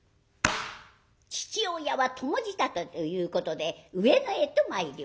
父親は供仕立てということで上野へと参ります。